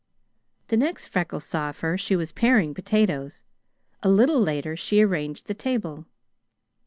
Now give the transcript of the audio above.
The next Freckles saw of her she was paring potatoes. A little later she arranged the table.